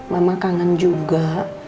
mama kangen juga